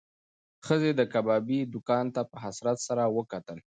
ښځې د کبابي دوکان ته په حسرت سره وکتل.